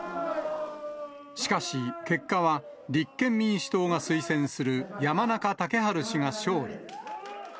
しかし、結果は立憲民主党が推薦する山中竹春氏が勝利。